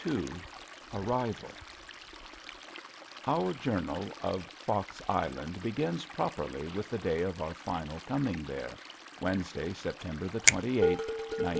CHAPTER II ARRIVAL Our journal of Fox Island begins properly with the day of our final coming there, Wednesday, September the twenty eighth, 1918.